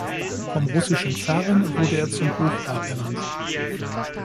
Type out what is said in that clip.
Vom russischen Zaren wurde er zum Hofrat ernannt.